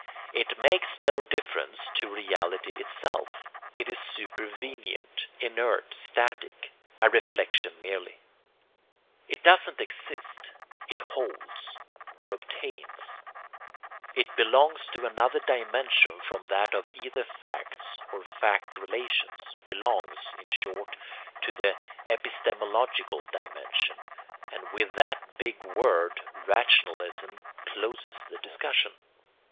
It makes no difference to reality itself; it is supervenient, inert, static, a reflexion merely. It doesn't EXIST, it HOLDS or OBTAINS, it belongs to another dimension from that of either facts or fact relations, belongs, in short, to the epistemological dimension and with that big word rationalism closes the discussion.